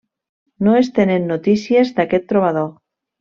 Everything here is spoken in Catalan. No es tenen notícies d'aquest trobador.